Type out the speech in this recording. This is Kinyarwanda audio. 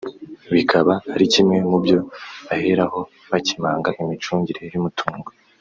bikaba ari kimwe mu byo baheraho bakemanga imicungire y’umutungo